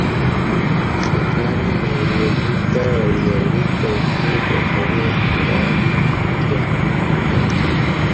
Marekani waliyopita walialikwa ikulu kuangalia filamu mpya